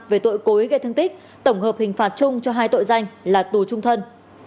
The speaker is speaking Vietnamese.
về tội cối gây thương tích tổng hợp hình phạt chung cho hai tội danh là tù trung thân